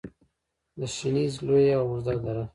د شنیز لویه او اوږده دره